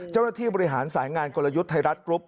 เจ้าหน้าที่บริหารสายงานกลยุทธ์ไทยรัฐกรุ๊ป